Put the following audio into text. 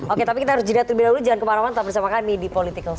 oke tapi kita harus jelajah dulu jangan kemarauan tetap bersama kami di politikalsio